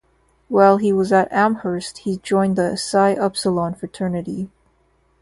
While he was at Amherst he joined the Psi Upsilon fraternity.